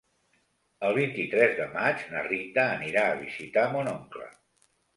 El vint-i-tres de maig na Rita anirà a visitar mon oncle.